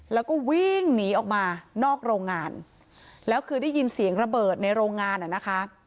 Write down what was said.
แล้วก็วิ่งหนีออกมานอกโรงงานแล้วคือได้ยินเสียงระเบิดในโรงงานอ่ะนะคะ